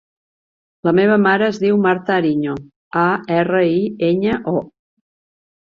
La meva mare es diu Marta Ariño: a, erra, i, enya, o.